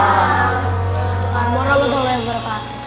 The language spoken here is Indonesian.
assalamualaikum wr wb